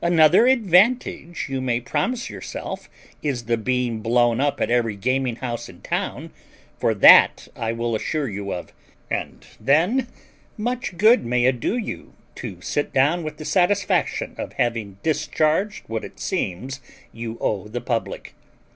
Another advantage you may promise yourself is the being blown up at every gaming house in town, for that I will assure you of; and then much good may it do you to sit down with the satisfaction of having discharged what it seems you owe the public.